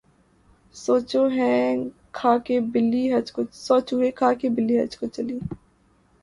سو چوہے کھا کے بلی حج کو چلی